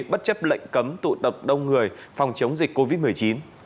bất chấp lệnh cấm tụ tập đông người phòng chống dịch covid một mươi chín